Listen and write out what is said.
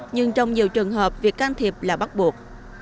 nhưng trong nhiều trường hợp việc can thiệp là bắt buộc